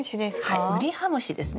はいウリハムシですね。